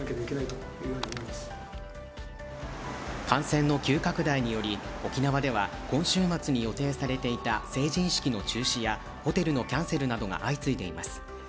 感染の急拡大により沖縄では今週末に予定されていた成人式の中止やホテルのキャンセルなどが相次いでいます。